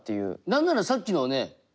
何ならさっきのね。